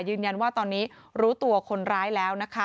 ยืนยันว่าตอนนี้รู้ตัวคนร้ายแล้วนะคะ